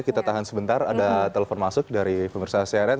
kita tahan sebentar ada telepon masuk dari pemerintah crn